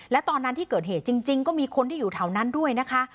และตอนนั้นที่เกิดเหตุจริงก็มีคนที่อยู่แถวนั้นด้วยนะคะ